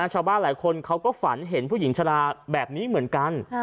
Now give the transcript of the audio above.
ชาวบ้านหลายคนเขาก็ฝันเห็นผู้หญิงชะลาแบบนี้เหมือนกัน